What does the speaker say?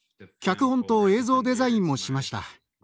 脚本と映像デザインもしました。